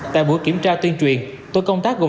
tại buổi kiểm tra tuyên truyền tổ công tác gồm